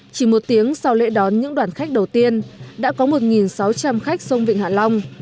chỉ một tiếng sau lễ đón những đoàn khách đầu tiên đã có một sáu trăm linh khách sông vịnh hạ long